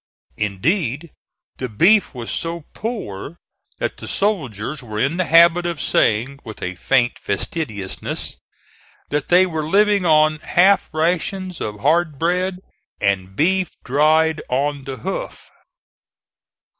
Indeed, the beef was so poor that the soldiers were in the habit of saying, with a faint facetiousness, that they were living on "half rations of hard bread and BEEF DRIED ON THE HOOF."